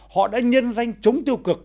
họ đã nhân danh chống tiêu cực